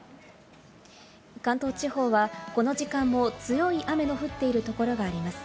関東地方はこの時間も強い雨の降っているところがあります。